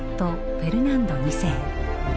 フェルナンド二世。